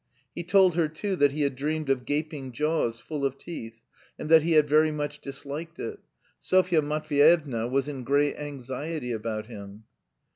He told her, too, that he had dreamed of gaping jaws full of teeth, and that he had very much disliked it. Sofya Matveyevna was in great anxiety about him.